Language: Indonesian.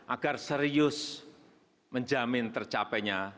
agar serius menjamin tercapai